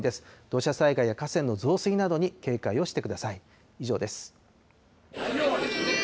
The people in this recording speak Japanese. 土砂災害や河川の増水などに警戒をしてください。